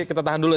kita tahan dulu